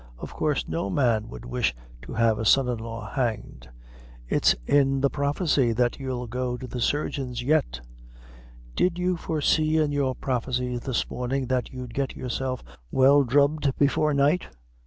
"Of coorse no man would wish to have a son in law hanged. It's in the prophecy that you'll go to the surgeons yet." "Did you foresee in your prophecies this mornin' that you'd get yourself well drubbed before night?"